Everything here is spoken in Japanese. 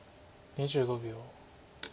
２５秒。